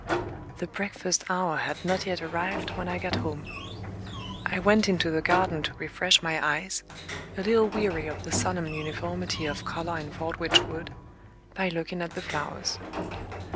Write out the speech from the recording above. The breakfast hour had not yet arrived when I got home. I went into the garden to refresh my eyes a little weary of the solemn uniformity of color in Fordwitch Wood by looking at the flowers.